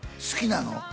好きなの？